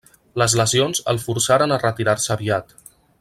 Les lesions el forçaren a retirar-se aviat.